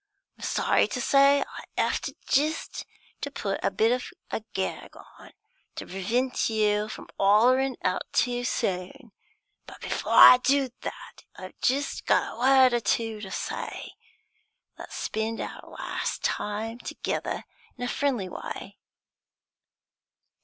I'm sorry to say I'll 'ave jist to put a bit of a gag on, to prevent you from 'ollerin' out too soon; but before I do that, I've jist got a word or two to say. Let's spend our last time together in a friendly way."